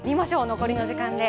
残りの時間で。